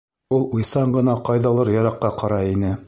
Ул уйсан ғына ҡайҙалыр йыраҡҡа ҡарай ине.